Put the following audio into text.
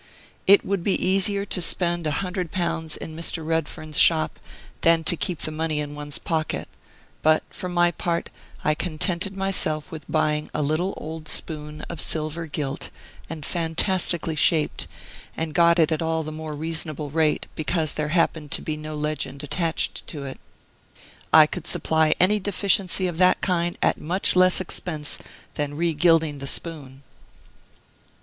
It would be easier to spend a hundred pounds in Mr. Redfern's shop than to keep the money in one's pocket; but, for my part, I contented myself with buying a little old spoon of silver gilt, and fantastically shaped, and got it at all the more reasonable rate because there happened to be no legend attached to it. I could supply any deficiency of that kind at much less expense than regilding the spoon!